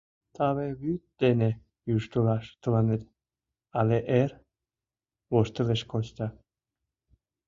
— Таве вӱд дене йӱштылаш тыланет але эр, — воштылеш Костя.